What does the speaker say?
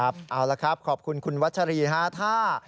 ครับเอาละครับขอบคุณคุณวัชรีฮะ